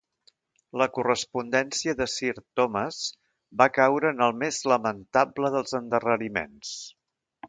La correspondència de Sir Thomas va caure en el més lamentable dels endarreriments.